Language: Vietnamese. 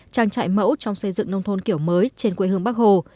trang trại mẫu trong xây dựng nông thôn kiểu mới trên quê hương bắc hồ